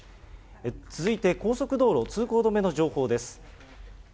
続いて高速道路、通行止めの情報です。